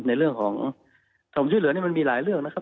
ในเรื่องของความช่วยเหลือนี่มันมีหลายเรื่องนะครับ